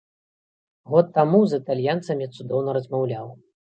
Год таму з італьянцамі цудоўна размаўляў.